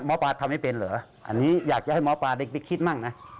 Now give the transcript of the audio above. ทำให้เป็นเหรออันนี้อยากจะให้หมอปลาเด็กไปคิดมั่งนะ